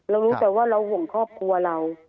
รู้แต่ว่าเราห่วงครอบครัวเรา